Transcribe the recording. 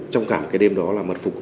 trong cả cái đêm đó là mật phục